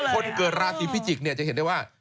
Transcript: ครั้นคนเกิดราศีพี่จิกนี่จะเห็นได้ว่า